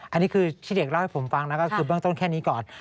อันนี้คือที่เด็กเล่าให้ผมฟังนะก็คือเบื้องต้นแค่นี้ก่อน